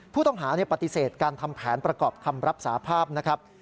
ผู้ต้องหาปฏิเสธการทำแผนประกอบคำรับสาภาพนะครับ